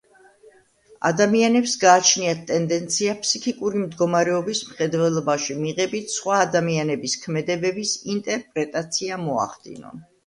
ადამიანებს გააჩნიათ ტენდენცია ფსიქიკური მდგომარეობის მხედველობაში მიღებით სხვა ადამიანების ქმედებების ინტერპრეტაცია მოახდინონ.